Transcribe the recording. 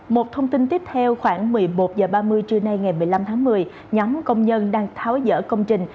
một thông tin tiếp theo khoảng một mươi một h ba mươi trưa nay ngày một mươi năm tháng một mươi nhóm công nhân đang tháo dỡ công trình